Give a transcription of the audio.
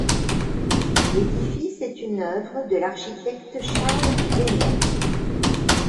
L'édifice est une œuvre de l'architecte Charles Venner.